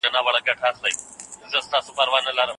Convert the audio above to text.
هر ځوان باید د خپل وطن لپاره کار وکړي.